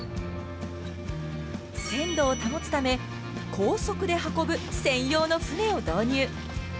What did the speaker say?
鮮度を保つため高速で運ぶ専用の船を導入。